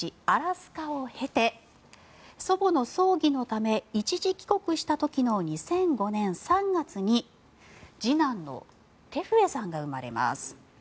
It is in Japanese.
アラスカを経て祖母の葬儀のため一時帰国した時の２００５年３月に次男のテフエさんが生まれます。